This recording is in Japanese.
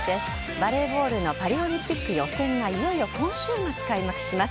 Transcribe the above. バレーボールのパリオリンピック予選がいよいよ今週末、開幕します。